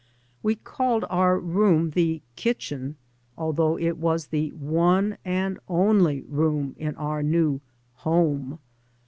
We called our room the " kitchen," although it was the one and only room in our new " home."